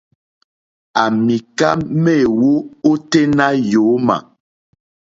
À mìká méèwó óténá yǒmà.